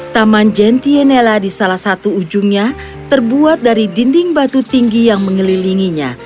taman jentienela di salah satu ujungnya terbuat dari dinding batu tinggi yang mengelilinginya